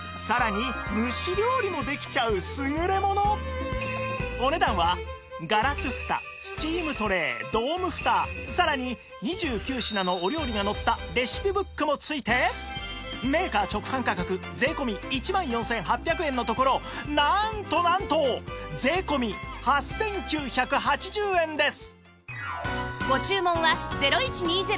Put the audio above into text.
さらにお値段はガラスフタスチームトレードームフタさらに２９品のお料理が載ったレシピブックも付いてメーカー直販価格税込１万４８００円のところなんとなんと税込８９８０円です